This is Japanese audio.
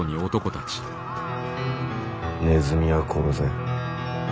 ネズミは殺せ。